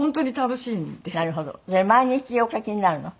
それ毎日お書きになるの？